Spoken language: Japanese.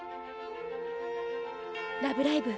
「ラブライブ！」